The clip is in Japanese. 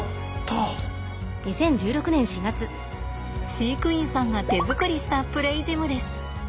飼育員さんが手作りしたプレイジムです。